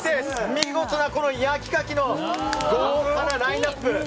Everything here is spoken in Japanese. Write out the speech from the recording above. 見事な焼きかきの豪華なラインアップ！